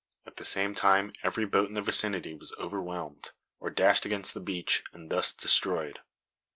At the same time every boat in the vicinity was overwhelmed, or dashed against the beach, and thus destroyed.